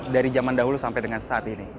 dari zaman dahulu sampai dengan saat ini